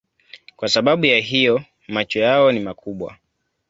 Kwa sababu ya hiyo macho yao ni makubwa.